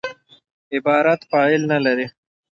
عبارت فاعل نه لري.